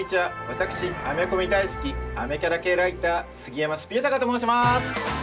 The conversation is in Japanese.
私アメコミ大好きアメキャラ系ライター杉山すぴ豊と申します！